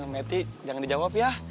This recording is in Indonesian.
meti jangan dijawab ya